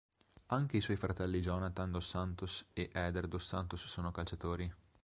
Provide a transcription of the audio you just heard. Anche i suoi fratelli Jonathan dos Santos e Éder dos Santos sono calciatori.